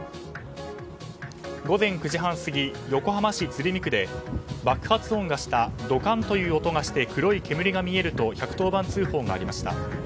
午前９時半過ぎ横浜市鶴見区で爆発音がしたドカンという音がして黒い煙が見えると１１０番通報がありました。